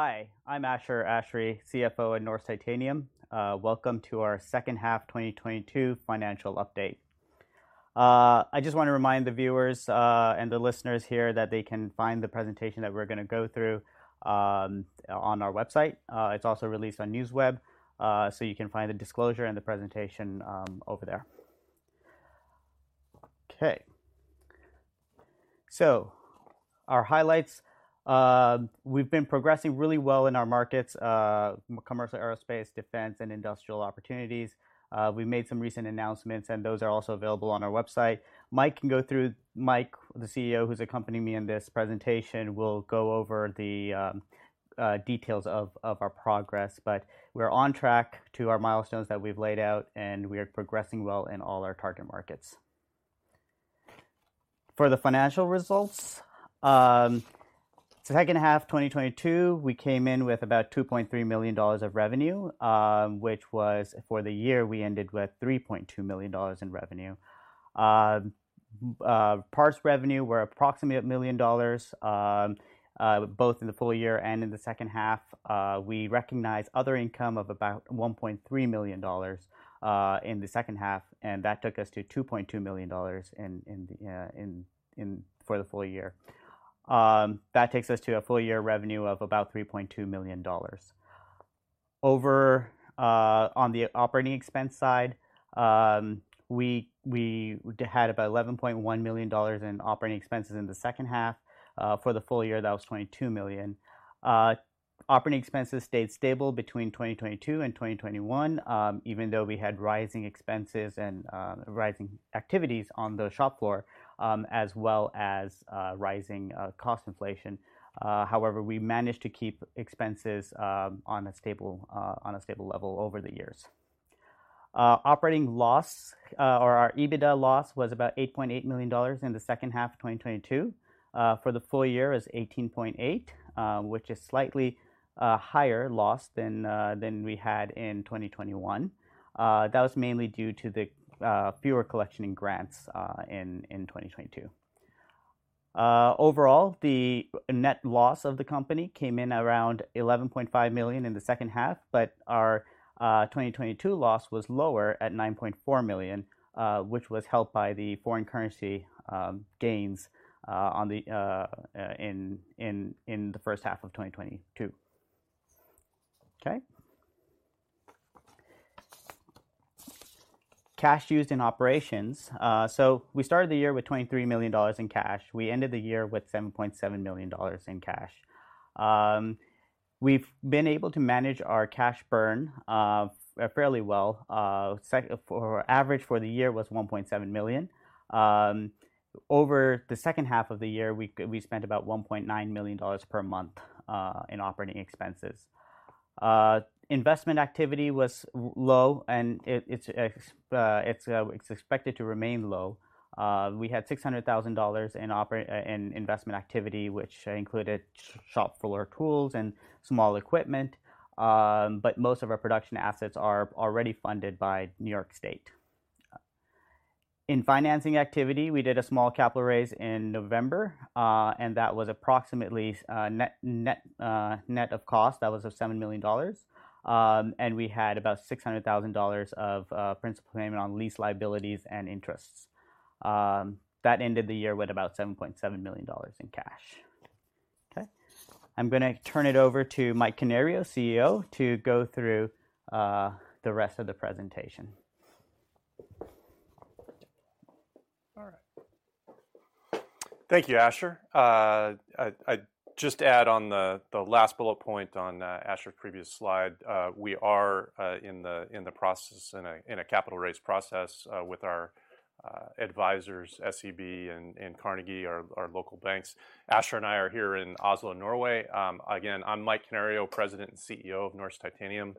Hi, I'm Ashar Ashary, CFO at Norsk Titanium. Welcome to our second half 2022 financial update. I just wanna remind the viewers and the listeners here that they can find the presentation that we're gonna go through on our website. It's also released on NewsWeb, you can find the disclosure and the presentation over there. Okay. Our highlights, we've been progressing really well in our markets, commercial aerospace, defense, and industrial opportunities. We made some recent announcements, those are also available on our website. Mike Canario, the CEO, who's accompanying me in this presentation, will go over the details of our progress. We're on track to our milestones that we've laid out, we are progressing well in all our target markets. For the financial results, second half of 2022, we came in with about $2.3 million of revenue, which was for the year, we ended with $3.2 million in revenue. Parts revenue were approximately $1 million, both in the full year and in the second half. We recognized other income of about $1.3 million in the second half, and that took us to $2.2 million for the full year. That takes us to a full-year revenue of about $3.2 million. Over on the operating expense side, we had about $11.1 million in operating expenses in the second half. For the full year, that was $22 million. Operating expenses stayed stable between 2022 and 2021, even though we had rising expenses and rising activities on the shop floor, as well as rising cost inflation. However, we managed to keep expenses on a stable, on a stable level over the years. Operating loss, or our EBITDA loss was about $8.8 million in the second half of 2022. For the full year, it was $18.8 million, which is slightly higher loss than we had in 2021. That was mainly due to the fewer collection in grants in 2022. Overall, the net loss of the company came in around $11.5 million in the second half, but our 2022 loss was lower at $9.4 million, which was helped by the foreign currency gains in the first half of 2022. Okay. Cash used in operations. We started the year with $23 million in cash. We ended the year with $7.7 million in cash. We've been able to manage our cash burn fairly well. Our average for the year was $1.7 million. Over the second half of the year, we spent about $1.9 million per month in operating expenses. Investment activity was low, and it's expected to remain low. We had $600,000 in investment activity, which included shop floor tools and small equipment, but most of our production assets are already funded by New York State. In financing activity, we did a small capital raise in November, and that was approximately, net, net of cost. That was of $7 million. And we had about $600,000 of principal payment on lease liabilities and interests. That ended the year with about $7.7 million in cash. I'm gonna turn it over to Mike Canario, CEO, to go through the rest of the presentation. All right. Thank you, Ashar. I'd just add on the last bullet point on Ashar's previous slide, we are in the process, in a capital raise process, with our advisors, SEB and Carnegie, our local banks. Ashar and I are here in Oslo, Norway. Again, I'm Mike Canario, President and CEO of Norsk Titanium.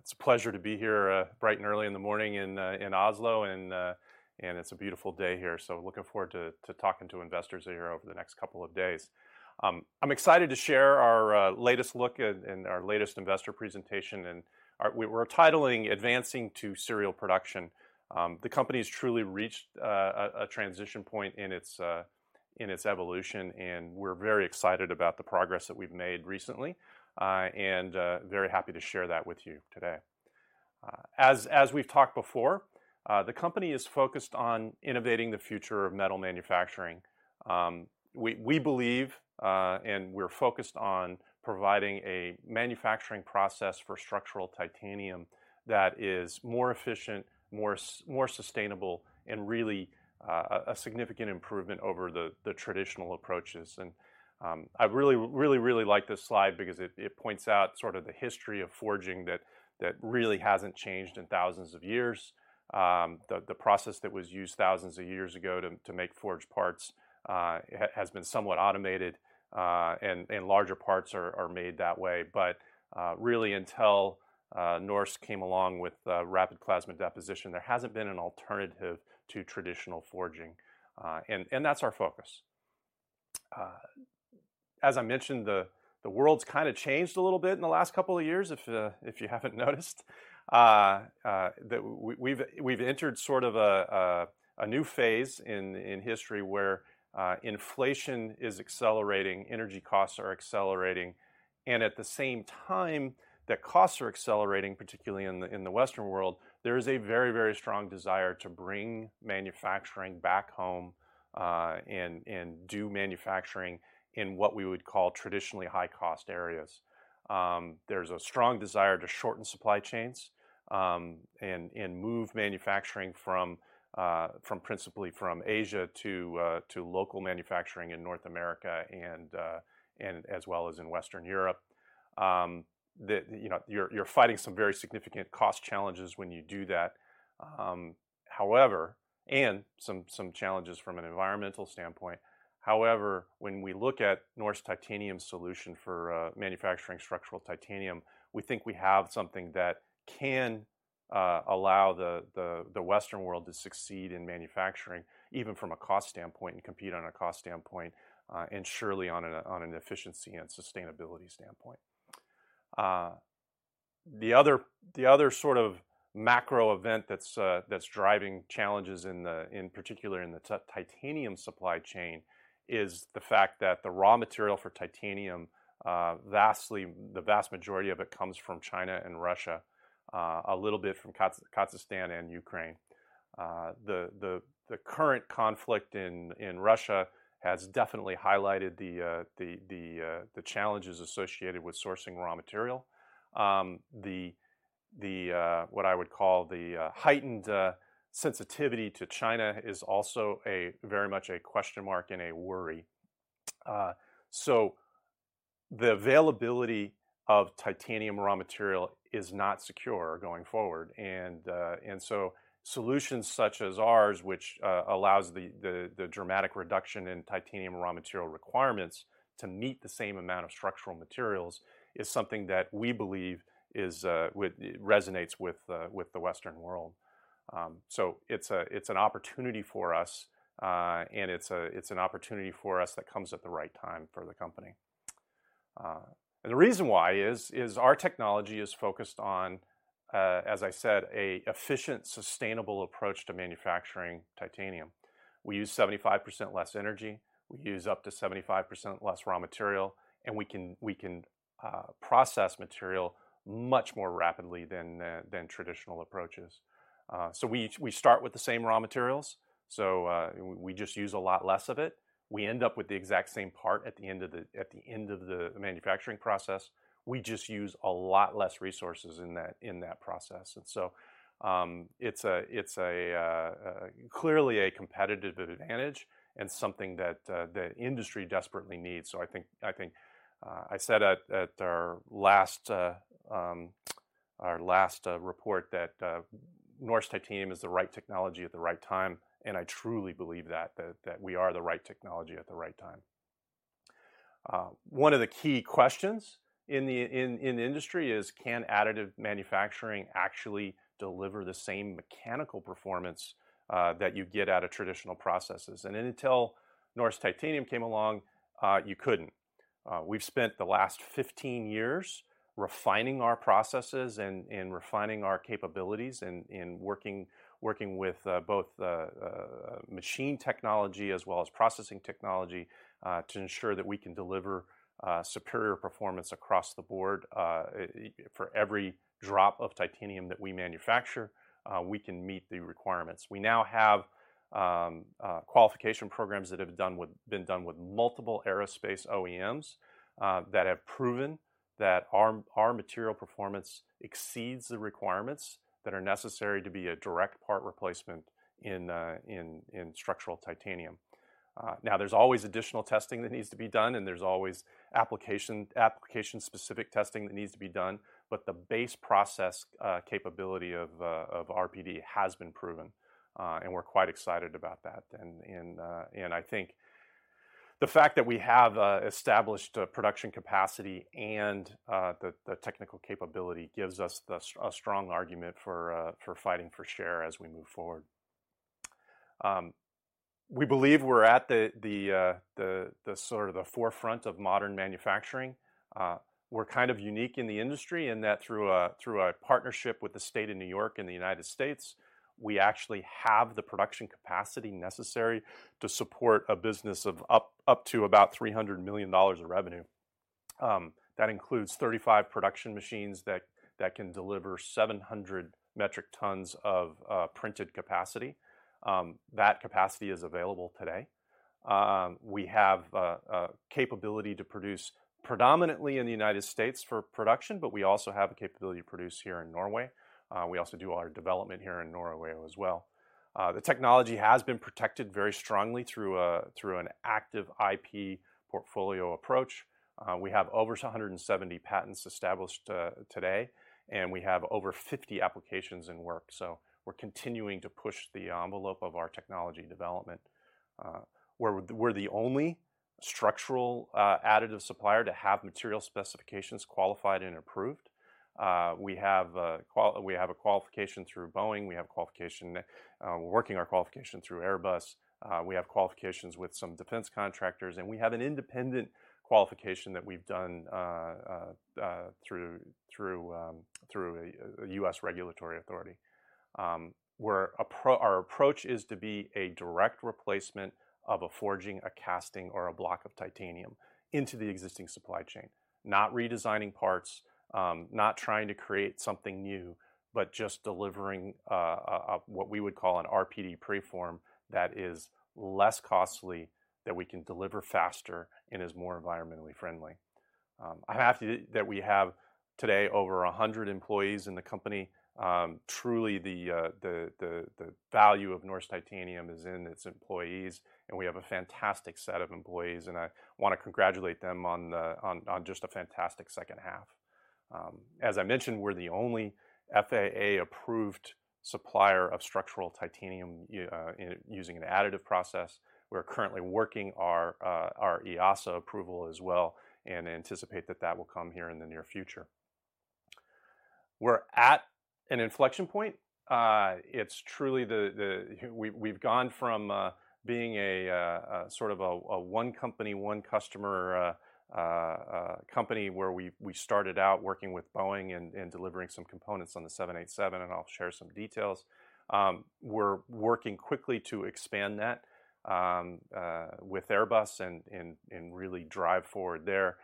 It's a pleasure to be here bright and early in the morning in Oslo, and it's a beautiful day here, so looking forward to talking to investors here over the next couple of days. I'm excited to share our latest look and our latest investor presentation, and we're titling Advancing to Serial Production. The company has truly reached a transition point in its evolution, and we're very excited about the progress that we've made recently, and very happy to share that with you today. As we've talked before, the company is focused on innovating the future of metal manufacturing. We believe and we're focused on providing a manufacturing process for structural titanium that is more efficient, more sustainable, and really a significant improvement over the traditional approaches. I really like this slide because it points out sort of the history of forging that really hasn't changed in thousands of years. The process that was used thousands of years ago to make forged parts has been somewhat automated, and larger parts are made that way. Really until Norsk came along with Rapid Plasma Deposition, there hasn't been an alternative to traditional forging, and that's our focus. As I mentioned, the world's kinda changed a little bit in the last couple of years if you haven't noticed. We've entered sort of a new phase in history where inflation is accelerating, energy costs are accelerating. At the same time that costs are accelerating, particularly in the Western world, there is a very strong desire to bring manufacturing back home, and do manufacturing in what we would call traditionally high-cost areas. There's a strong desire to shorten supply chains, and move manufacturing from principally Asia to local manufacturing in North America and as well as in Western Europe. You know, you're fighting some very significant cost challenges when you do that. However. Some challenges from an environmental standpoint. However, when we look at Norsk Titanium's solution for manufacturing structural titanium, we think we have something that can allow the Western world to succeed in manufacturing, even from a cost standpoint and compete on a cost standpoint, and surely on an efficiency and sustainability standpoint. The other sort of macro event that's driving challenges in particular in the titanium supply chain, is the fact that the raw material for titanium, vastly, the vast majority of it comes from China and Russia, a little bit from Kazakhstan and Ukraine. The current conflict in Russia has definitely highlighted the challenges associated with sourcing raw material. The what I would call the heightened sensitivity to China is also a very much a question mark and a worry. The availability of titanium raw material is not secure going forward, and so solutions such as ours, which allows the dramatic reduction in titanium raw material requirements to meet the same amount of structural materials, is something that we believe is, resonates with the Western world. It's an opportunity for us, and it's an opportunity for us that comes at the right time for the company. The reason why is, our technology is focused on, as I said, an efficient, sustainable approach to manufacturing titanium. We use 75% less energy, we use up to 75% less raw material, and we can process material much more rapidly than traditional approaches. We start with the same raw materials, we just use a lot less of it. We end up with the exact same part at the end of the manufacturing process. We just use a lot less resources in that process. It's clearly a competitive advantage and something that the industry desperately needs. I think I said at our last report that Norsk Titanium is the right technology at the right time, and I truly believe that we are the right technology at the right time. One of the key questions in the industry is can additive manufacturing actually deliver the same mechanical performance that you get out of traditional processes? Until Norsk Titanium came along, you couldn't. We've spent the last 15 years refining our processes and refining our capabilities in working with, both machine technology as well as processing technology, to ensure that we can deliver superior performance across the board. For every drop of titanium that we manufacture, we can meet the requirements. We now have qualification programs that have been done with multiple aerospace OEMs that have proven that our material performance exceeds the requirements that are necessary to be a direct part replacement in structural titanium. Now there's always additional testing that needs to be done, and there's always application-specific testing that needs to be done, but the base process capability of RPD has been proven, and we're quite excited about that. I think the fact that we have established production capacity and the technical capability gives us a strong argument for fighting for share as we move forward. We believe we're at the sort of the forefront of modern manufacturing. We're kind of unique in the industry in that through a partnership with the state of New York in the United States, we actually have the production capacity necessary to support a business of up to about $300 million of revenue. That includes 35 production machines that can deliver 700 metric tons of printed capacity. That capacity is available today. We have capability to produce predominantly in the U.S. for production, but we also have a capability to produce here in Norway. We also do all our development here in Norway as well. The technology has been protected very strongly through an active IP portfolio approach. We have over 170 patents established today, and we have over 50 applications in work, so we're continuing to push the envelope of our technology development. We're the only structural additive supplier to have material specifications qualified and approved. We have a qualification through Boeing, we have qualification, we're working our qualification through Airbus, we have qualifications with some defense contractors, and we have an independent qualification that we've done through a U.S. regulatory authority. Our approach is to be a direct replacement of a forging, a casting, or a block of titanium into the existing supply chain, not redesigning parts, not trying to create something new, but just delivering, a, what we would call an RPD preform that is less costly, that we can deliver faster and is more environmentally friendly. I'm happy that we have today over 100 employees in the company. Truly the value of Norsk Titanium is in its employees, and we have a fantastic set of employees, and I wanna congratulate them on just a fantastic second half. As I mentioned, we're the only FAA-approved supplier of structural titanium using an additive process. We're currently working our EASA approval as well and anticipate that that will come here in the near future. We're at an inflection point. It's truly we've gone from being a sort of a one company, one customer company where we started out working with Boeing and delivering some components on the 787, and I'll share some details. We're working quickly to expand that with Airbus and really drive forward there.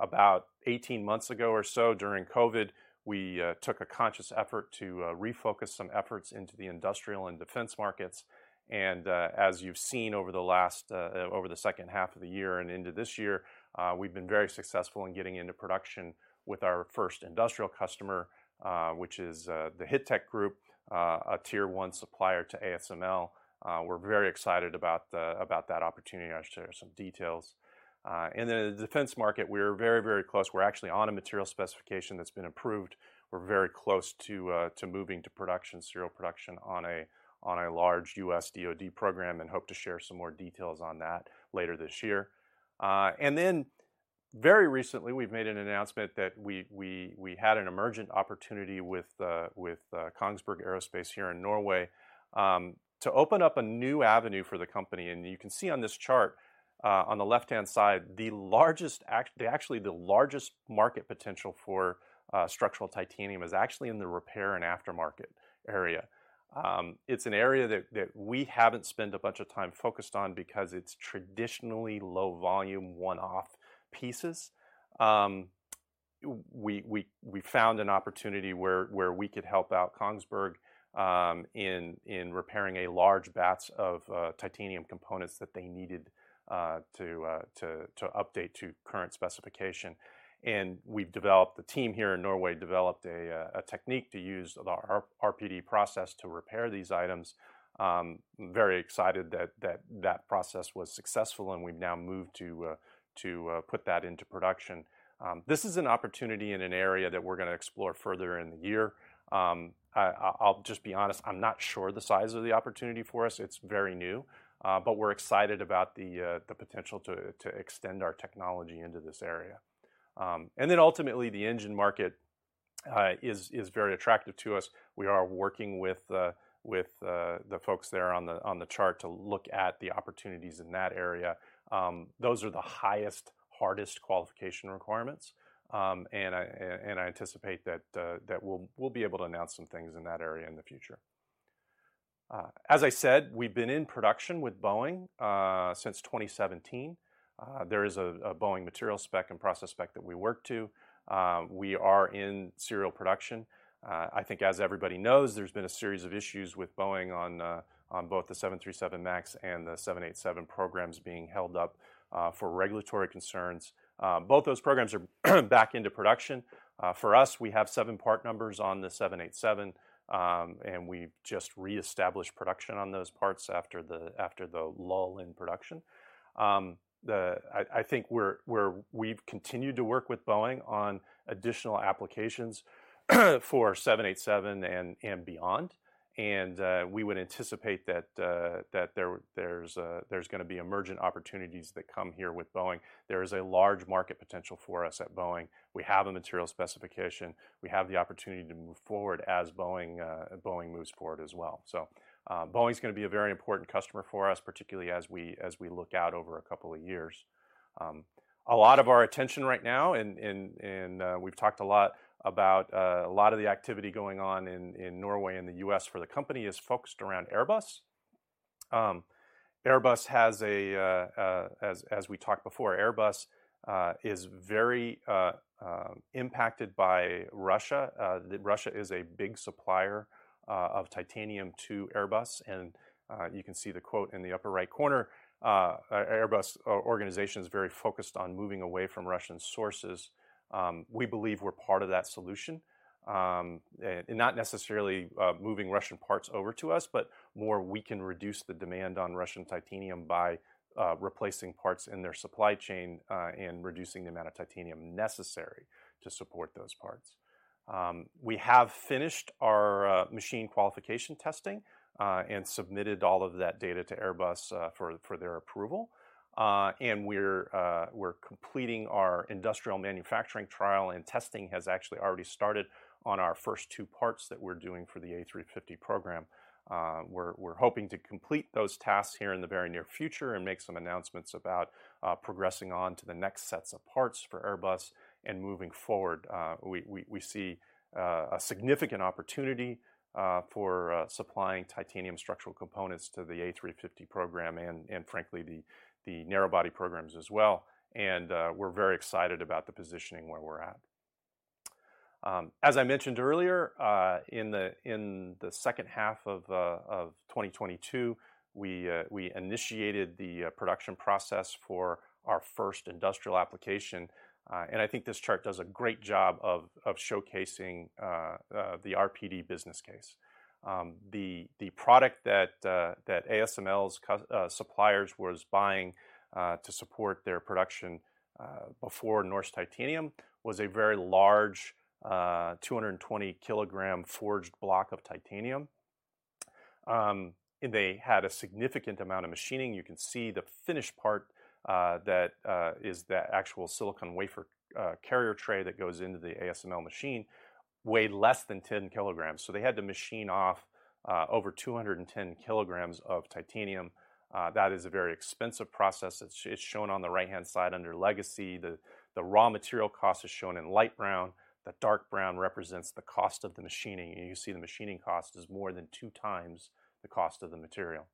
About 18 months ago or so during COVID, we took a conscious effort to refocus some efforts into the industrial and defense markets. As you've seen over the last over the second half of the year and into this year, we've been very successful in getting into production with our first industrial customer, which is the Hittech Group, a Tier 1 supplier to ASML. We're very excited about that opportunity. I'll share some details. In the defense market, we're very, very close. We're actually on a material specification that's been approved. We're very close to moving to production, serial production on a large US DoD program and hope to share some more details on that later this year. Then very recently, we've made an announcement that we had an emergent opportunity with Kongsberg Aerospace here in Norway to open up a new avenue for the company. You can see on this chart, on the left-hand side, actually the largest market potential for structural titanium is actually in the repair and aftermarket area. It's an area that we haven't spent a bunch of time focused on because it's traditionally low volume, one-off pieces. We found an opportunity where we could help out Kongsberg in repairing a large batch of titanium components that they needed to update to current specification. The team here in Norway developed a technique to use our RPD process to repair these items. Very excited that process was successful, and we've now moved to put that into production. This is an opportunity in an area that we're gonna explore further in the year. I'll just be honest, I'm not sure the size of the opportunity for us. It's very new, but we're excited about the potential to extend our technology into this area. Ultimately, the engine market is very attractive to us. We are working with the folks there on the chart to look at the opportunities in that area. Those are the highest, hardest qualification requirements. I anticipate that we'll be able to announce some things in that area in the future. As I said, we've been in production with Boeing since 2017. There is a Boeing material spec and process spec that we work to. We are in serial production. I think as everybody knows, there's been a series of issues with Boeing on both the 737 MAX and the 787 programs being held up for regulatory concerns. Both those programs are back into production. For us, we have 7 part numbers on the 787, and we've just reestablished production on those parts after the lull in production. I think we've continued to work with Boeing on additional applications for 787 and beyond. We would anticipate that there's gonna be emergent opportunities that come here with Boeing. There is a large market potential for us at Boeing. We have a material specification. We have the opportunity to move forward as Boeing moves forward as well. Boeing's gonna be a very important customer for us, particularly as we look out over a couple of years. A lot of our attention right now and we've talked a lot about a lot of the activity going on in Norway and the U.S. for the company is focused around Airbus. Airbus has, as we talked before, Airbus is very impacted by Russia. Russia is a big supplier of titanium to Airbus, you can see the quote in the upper right corner. Airbus organization is very focused on moving away from Russian sources. We believe we're part of that solution, and not necessarily moving Russian parts over to us, but more we can reduce the demand on Russian titanium by replacing parts in their supply chain and reducing the amount of titanium necessary to support those parts. We have finished our machine qualification testing, and submitted all of that data to Airbus for their approval. We're completing our industrial manufacturing trial, and testing has actually already started on our first two parts that we're doing for the A350 program. We're hoping to complete those tasks here in the very near future and make some announcements about progressing on to the next sets of parts for Airbus and moving forward. We see a significant opportunity for supplying titanium structural components to the A350 program and frankly, the narrow body programs as well. We're very excited about the positioning where we're at. As I mentioned earlier, in the second half of 2022, we initiated the production process for our first industrial application. I think this chart does a great job of showcasing the RPD business case. The product that ASML's suppliers was buying to support their production before Norsk Titanium was a very large, 220-kilogram forged block of titanium. They had a significant amount of machining. You can see the finished part that is the actual silicon wafer carrier tray that goes into the ASML machine weighed less than 10 kilograms. They had to machine off over 210 kilograms of titanium. That is a very expensive process. It's shown on the right-hand side under Legacy. The raw material cost is shown in light brown. The dark brown represents the cost of the machining. You see the machining cost is more than 2 times the cost of the material.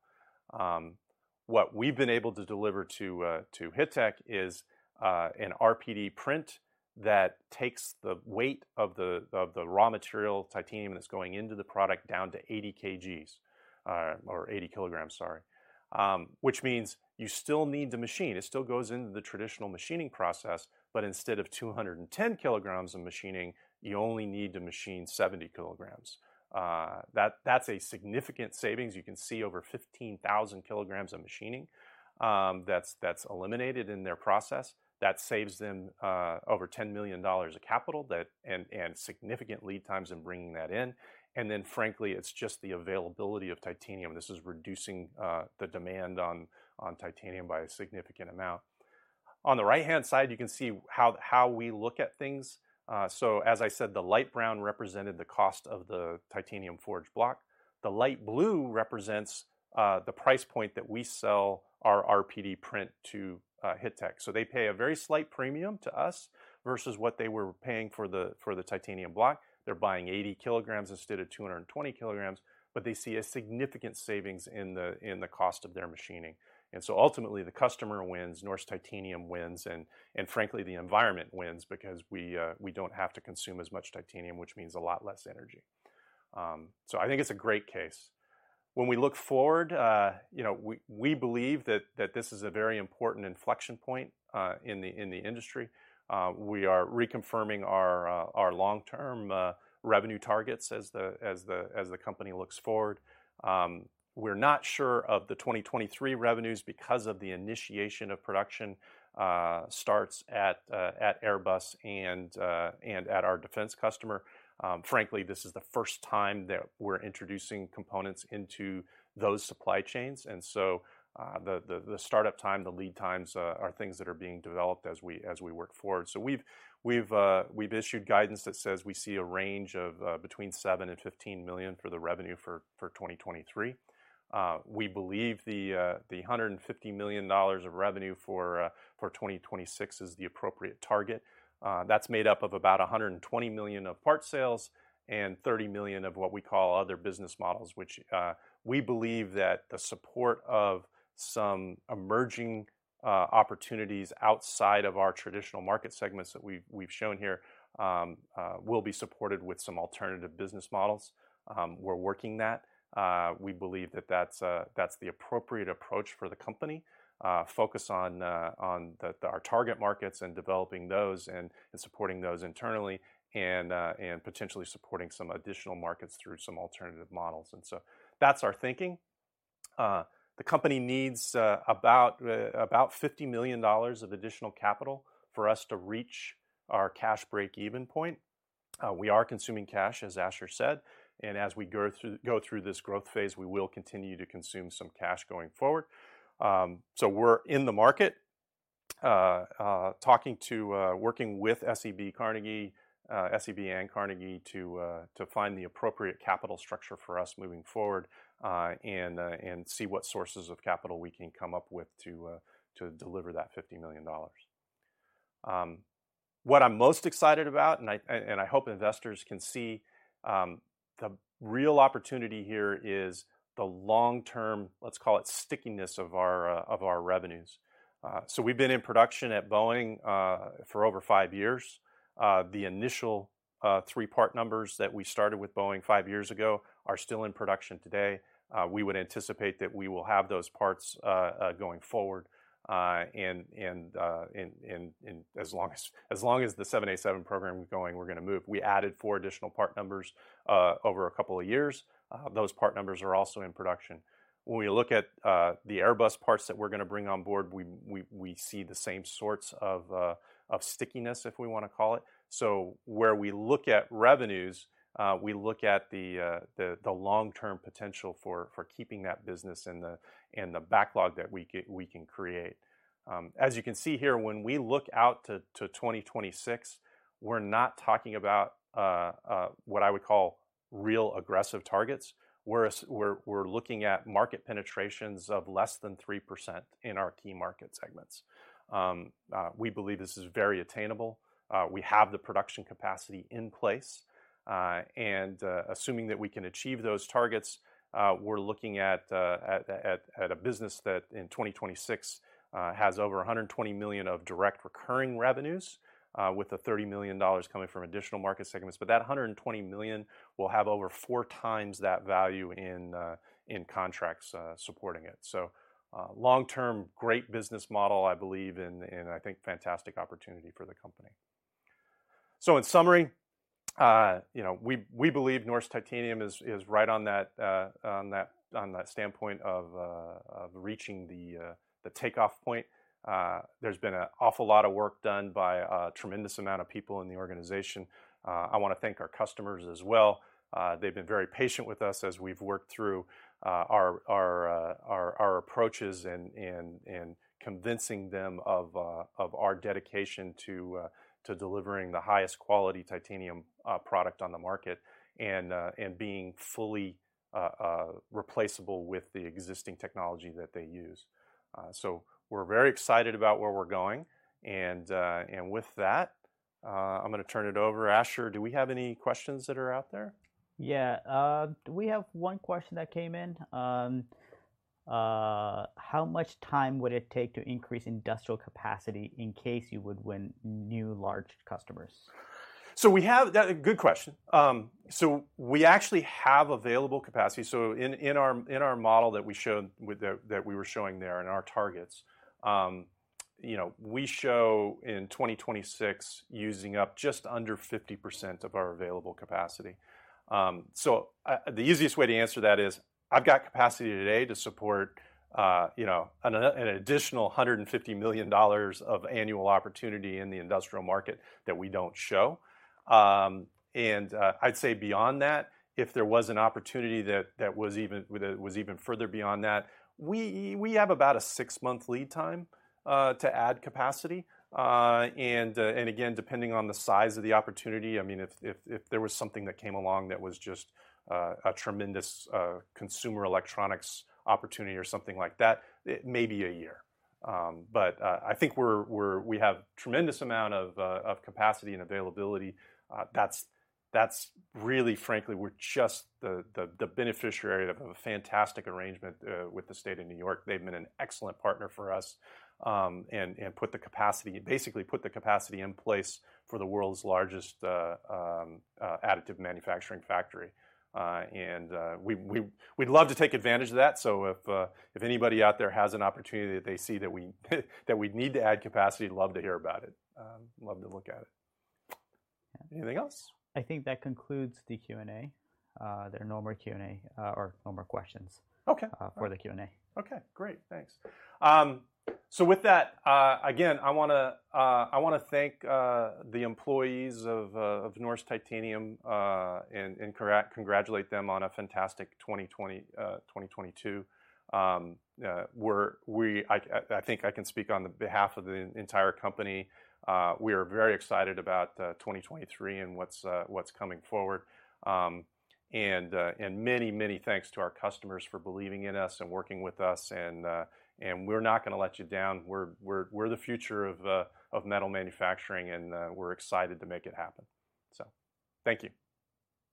What we've been able to deliver to Hittech is an RPD print that takes the weight of the raw material titanium that's going into the product down to 80 KGs, or 80 kilograms, sorry, which means you still need to machine. It still goes into the traditional machining process, but instead of 210 kilograms of machining, you only need to machine 70 kilograms. That's a significant savings. You can see over 15,000 kilograms of machining, that's eliminated in their process. That saves them over $10 million of capital and significant lead times in bringing that in. Then frankly, it's just the availability of titanium. This is reducing the demand on titanium by a significant amount. On the right-hand side, you can see how we look at things. As I said, the light brown represented the cost of the titanium forged block. The light blue represents the price point that we sell our RPD print to Hittech. They pay a very slight premium to us versus what they were paying for the, for the titanium block. They're buying 80 kilograms instead of 220 kilograms, but they see a significant savings in the, in the cost of their machining. Ultimately, the customer wins, Norsk Titanium wins, and frankly, the environment wins because we don't have to consume as much titanium, which means a lot less energy. I think it's a great case. When we look forward, you know, we believe that this is a very important inflection point in the industry. We are reconfirming our long-term revenue targets as the company looks forward. We're not sure of the 2023 revenues because of the initiation of production starts at Airbus and at our defense customer. Frankly, this is the first time that we're introducing components into those supply chains. The startup time, the lead times are things that are being developed as we work forward. We've issued guidance that says we see a range of between $7 million and $15 million for the revenue for 2023. We believe the $150 million of revenue for 2026 is the appropriate target. That's made up of about $120 million of part sales and $30 million of what we call other business models, which we believe that the support of some emerging opportunities outside of our traditional market segments that we've shown here, will be supported with some alternative business models. We're working that. We believe that that's the appropriate approach for the company, focus on on the, our target markets and developing those and supporting those internally and potentially supporting some additional markets through some alternative models. That's our thinking. The company needs about $50 million of additional capital for us to reach our cash break-even point. We are consuming cash, as Ashar said, and as we go through this growth phase, we will continue to consume some cash going forward. We're in the market talking to working with SEB, Carnegie, SEB and Carnegie to find the appropriate capital structure for us moving forward, and see what sources of capital we can come up with to deliver that $50 million. What I'm most excited about, and I, and I hope investors can see, the real opportunity here is the long-term, let's call it stickiness of our revenues. We've been in production at Boeing for over five years. The initial three part numbers that we started with Boeing five years ago are still in production today. We would anticipate that we will have those parts going forward, and as long as the 787 program is going, we're gonna move. We added 4 additional part numbers over a couple of years. Those part numbers are also in production. When we look at the Airbus parts that we're gonna bring on board, we see the same sorts of stickiness, if we wanna call it. So where we look at revenues, we look at the long-term potential for keeping that business and the backlog that we can create. As you can see here, when we look out to 2026, we're not talking about what I would call real aggressive targets, whereas we're looking at market penetrations of less than 3% in our key market segments. We believe this is very attainable. We have the production capacity in place. Assuming that we can achieve those targets, we're looking at a business that in 2026 has over $120 million of direct recurring revenues, with the $30 million coming from additional market segments. That $120 million will have over four times that value in contracts supporting it. Long-term great business model, I believe, and I think fantastic opportunity for the company. In summary, you know, we believe Norsk Titanium is right on that standpoint of reaching the takeoff point. There's been an awful lot of work done by a tremendous amount of people in the organization. I wanna thank our customers as well. They've been very patient with us as we've worked through our approaches and convincing them of our dedication to delivering the highest quality titanium product on the market and being fully replaceable with the existing technology that they use. We're very excited about where we're going, and with that, I'm gonna turn it over. Ashar, do we have any questions that are out there? Yeah. We have one question that came in. How much time would it take to increase industrial capacity in case you would win new large customers? That a good question. We actually have available capacity. In our model that we were showing there and our targets, you know, we show in 2026 using up just under 50% of our available capacity. The easiest way to answer that is I've got capacity today to support, you know, an additional $150 million of annual opportunity in the industrial market that we don't show. I'd say beyond that, if there was an opportunity that was even further beyond that, we have about a 6-month lead time to add capacity. Again, depending on the size of the opportunity, I mean, if, if there was something that came along that was just a tremendous consumer electronics opportunity or something like that, it may be a year. I think we have tremendous amount of capacity and availability. That's really frankly, we're just the beneficiary of a fantastic arrangement with the State of New York. They've been an excellent partner for us, and put the capacity, basically put the capacity in place for the world's largest additive manufacturing factory. We'd love to take advantage of that. If anybody out there has an opportunity that they see that we, that we'd need to add capacity, love to hear about it. Love to look at it. Anything else? I think that concludes the Q&A. There are no more Q&A, or no more questions- Okay. for the Q&A. Okay, great. Thanks. With that, again, I wanna I wanna thank the employees of Norsk Titanium and congratulate them on a fantastic 2022. We're I think I can speak on the behalf of the entire company, we are very excited about 2023 and what's coming forward. Many, many thanks to our customers for believing in us and working with us and we're not gonna let you down. We're the future of metal manufacturing, and we're excited to make it happen. Thank you.